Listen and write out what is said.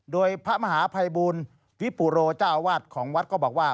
โดยพมหาภัยบูลแฟพุโรของวัดข้อบอกว่า